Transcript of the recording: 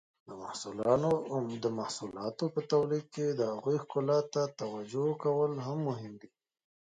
د محصولاتو په تولید کې د هغوی ښکلا ته توجو کول هم مهم دي.